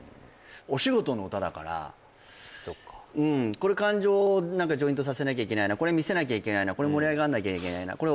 お仕事の歌だからそっかこれ感情をジョイントさせなきゃいけないなこれ見せなきゃいけないな盛り上がんなきゃいけないな